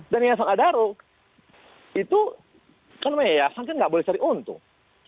dan yayasan adaro itu karena yayasan kan tidak boleh cari untung